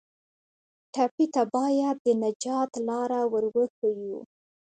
ټپي ته باید د نجات لاره ور وښیو.